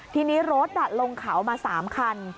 ทีนี้รถลงเขามา๓คัน